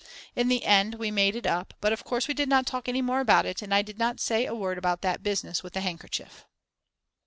In the end we made it up, but of course we did not talk any more about it and I did not say a word about that business with the handkerchief.